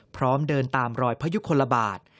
พร้อมเดินตามรอยพยุคลบาท